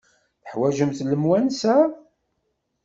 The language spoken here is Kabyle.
Teḥwajemt lemwansa?